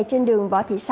trên đường võ thị sáu